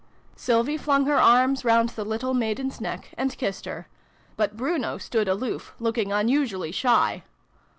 Sylvie flung her arms round the little maiden's neck, and kissed her : but Bruno stood aloof, looking unusually shy.